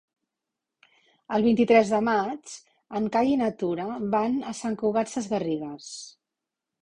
El vint-i-tres de maig en Cai i na Tura van a Sant Cugat Sesgarrigues.